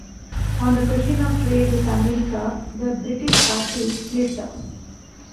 On the question of trade with America the British parties split.